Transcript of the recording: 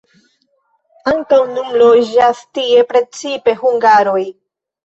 Ankaŭ nun loĝas tie precipe hungaroj.